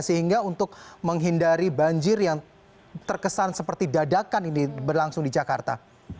sehingga untuk menghindari banjir yang terkesan seperti dadakan ini berlangsung di jakarta